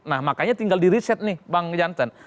nah makanya tinggal di riset nih bang jantan